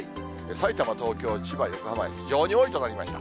さいたま、東京、千葉、横浜、非常に多いとなりました。